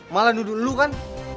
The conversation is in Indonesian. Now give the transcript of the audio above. malah duduk dulu kan